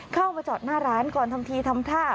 เข้ามาจอดหน้าร้านก่อนทำทีทำท่า